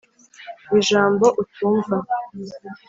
ijambo utumva.